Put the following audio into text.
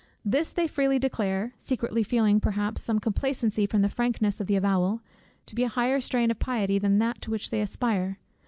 This they freely declare (secretly feeling perhaps some complacency from the frankness of the avowal) to be a higher strain of piety than that to which they aspire.